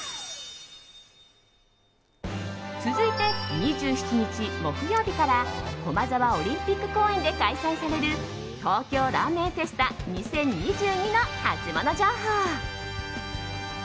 続いて２７日木曜日から駒沢オリンピック公園で開催される東京ラーメンフェスタ２０２２のハツモノ情報。